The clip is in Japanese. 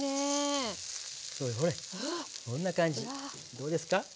どうですか？